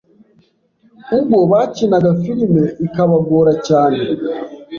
Ubwo bakinaga filimi ikabagora cyane